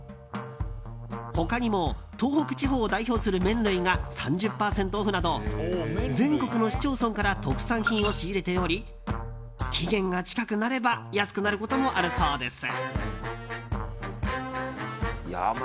他にも東北地方を代表する麺類が３０％オフなど全国の市町村から特産品を仕入れており期限が近くなれば安くなることもあるそうです。